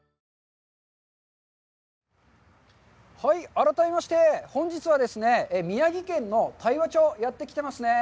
改めまして、本日はですね、宮城県の大和町にやってきてますね。